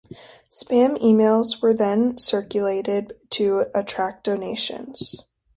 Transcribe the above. Spam emails were then circulated to attract donations.